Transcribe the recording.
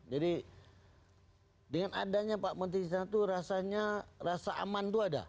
jadi dengan adanya pak menteri di sana itu rasanya rasa aman itu ada